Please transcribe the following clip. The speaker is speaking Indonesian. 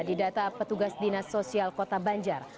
di data petugas dinas sosial kota banjar